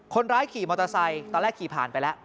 คนร้ายขี่มอเตอร์ไซค์ตอนแรกขี่ผ่านไปแล้ว